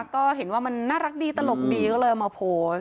ก็เห็นว่ามันน่ารักดีตลกดีก็เลยเอามาโพสต์